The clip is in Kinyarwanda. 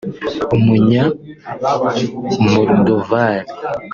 Umunya-Moldoval